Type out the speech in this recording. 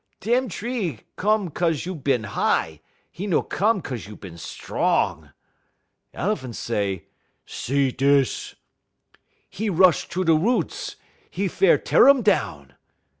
dem tree come 'cause you bin high; 'e no come 'cause you bin strong.' "El'phan' say: 'See dis!' "'E rush troo da woots; 'e fair teer um down.